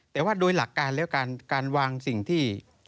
แต่ว่าโดยหลักการแล้วการวางสิ่งที่